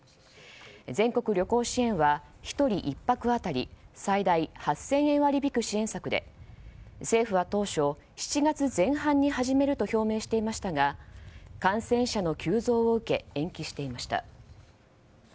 全国旅行支援は１人１泊当たり最大８０００円割り引く支援策で政府は当初７月前半に始めると表明していましたが感染者の急増を受け延期していました。